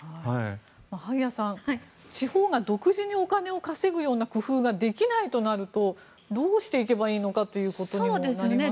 萩谷さん、地方が独自にお金を稼ぐような工夫ができないとなるとどうしていけばいいのかということにもなりますよね。